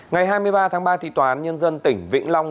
ngày hai mươi ba tháng ba thị toán nhân dân tỉnh vĩnh long